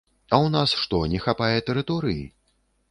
У нас што, не хапае тэрыторыі?